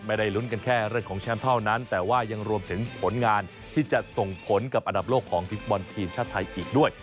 ไม่ได้ลุ้นกันแค่เรื่องของแชมป์เท่านั้นแต่ว่ายังรวมถึงผลงานที่จะส่งผลกับอันดับโลกของทีมฟุตบอลทีมชาติไทยอีกด้วย